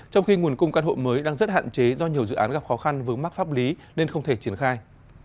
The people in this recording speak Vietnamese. trong khi nguồn cung căn hộ mới đang rất hạn chế do nhiều dự án gặp khó khăn vướng mắc pháp lý nên không thể triển khai